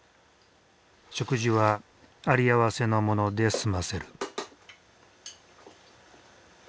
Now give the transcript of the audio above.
食事は有り合わせのもので済ませる。